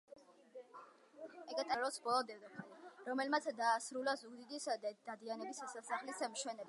ეკატერინე ჭავჭავაძე იყო სამეგრელოს ბოლო დედოფალი, რომელმაც დაასრულა ზუგდიდის დადიანების სასახლის მშენებლობა